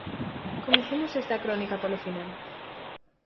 Comecemos esta crónica polo final.